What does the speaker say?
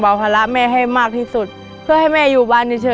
ทั่วเลือกที่๑ครับ